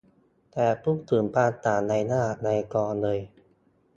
แต่พูดถึงความต่างในระดับไวยากรณ์เลย